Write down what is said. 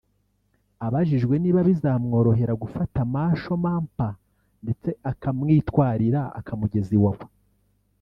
Abajijwe niba bizamworohera gufata Masho Mampa ndetse akamwitwarira akamugeza Iwawa